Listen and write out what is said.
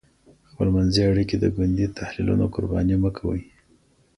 خپلمنځي اړیکې د ګوندي تحلیلونو قرباني مه کوئ.